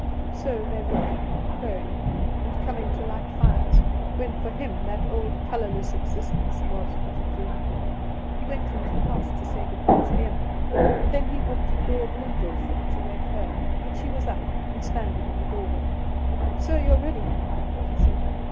So they would keep on crowing, and coming to light fires, when for him that old colourless existence was but a dream. He went into the house to say good bye to Em, and then he walked to the door of Lyndall's room to wake her; but she was up, and standing in the doorway. "So you are ready," she said.